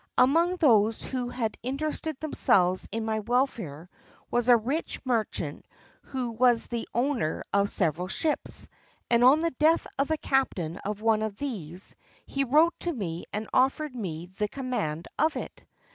Among those who had interested themselves in my welfare was a rich merchant who was the owner of several ships; and on the death of the captain of one of these, he wrote to me and offered me the command of it.